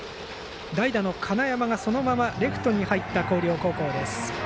代打の金山がそのままレフトに入った広陵高校。